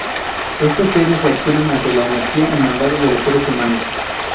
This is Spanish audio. Estos seres reaccionan ante la energía emanada de los seres humanos.